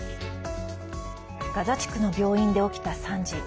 ガザ地区の病院で起きた惨事。